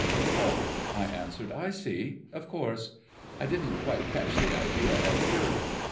"Oh!" I answered, "I see. Of course. I didn't quite catch the idea at first.